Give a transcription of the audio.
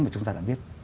mà chúng ta đã biết